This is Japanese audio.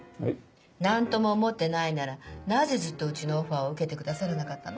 何とも思ってないならなぜずっとうちのオファーを受けてくださらなかったの？